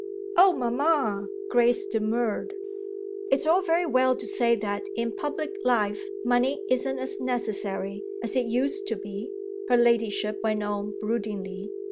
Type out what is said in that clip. "Oh mamma!" Grace demurred. "It's all very well to say that in public life money isn't as necessary as it used to be," her ladyship went on broodingly.